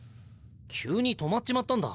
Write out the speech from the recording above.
急に止まっちまったんだ。